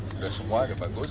sudah semua sudah bagus